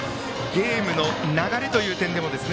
ゲームの流れという点でも。